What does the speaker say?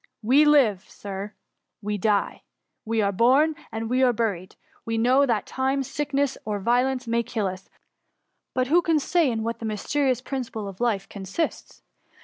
We live^ Sir, — we die : we are born, and we are buried : we know that time, sick ness, or violence, may kill us ; but who can say in what the mysterious principle of life consists